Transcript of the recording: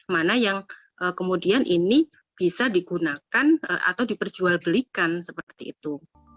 mana yang kemudian ini bisa digunakan atau diperjualbelikan seperti itu